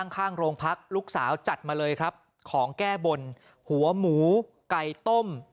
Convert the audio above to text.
ข้างโรงพักลูกสาวจัดมาเลยครับของแก้บนหัวหมูไก่ต้ม